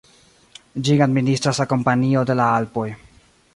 Ĝin administras la Kompanio de la Alpoj.